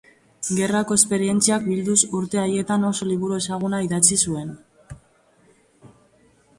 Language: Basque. Gerrako esperientziak bilduz urte haietan oso liburu ezaguna idatzi zuen.